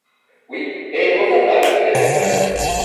Oui, et il reviendra, le fidèle animal!